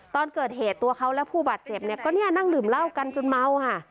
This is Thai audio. ตอนเกิดเหตุตัวเขาและผู้บาดเจ็บเนี่ยก็เนี่ยนั่งดื่มเหล้ากันจนเมาค่ะ